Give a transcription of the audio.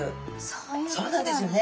そうなんですよね。